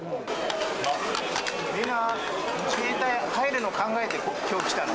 みんな自衛隊に入るの考えて、きょう来たの？